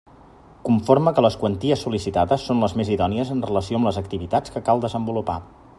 Conforme que les quanties sol·licitades són les més idònies en relació amb les activitats que cal desenvolupar.